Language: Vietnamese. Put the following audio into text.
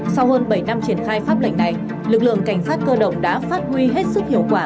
sau hơn bảy năm triển khai pháp lệnh này lực lượng cảnh sát cơ động đã phát huy hết sức hiệu quả